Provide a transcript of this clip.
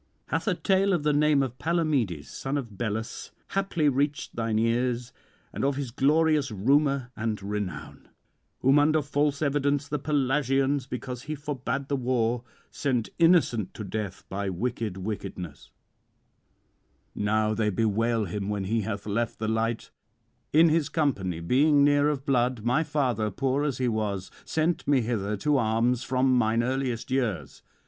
Hath a tale of the name of Palamedes, son of Belus, haply reached thine ears, and of his glorious rumour and renown; whom under false evidence the Pelasgians, because he forbade the war, sent innocent to death by wicked witness; now they bewail him when he hath left the light; in his company, being near of blood, my father, poor as he was, sent me hither to arms from mine earliest years.